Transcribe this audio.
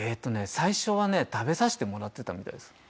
最初はね食べさせてもらってたみたいです。